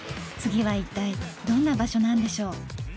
次はいったいどんな場所なんでしょう。